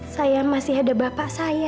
saya masih ada bapak saya